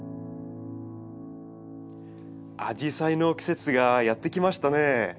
アジサイの季節がやって来ましたね。